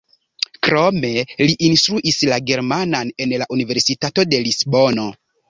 Krome li instruis la germanan en la Universitato de Lisbono.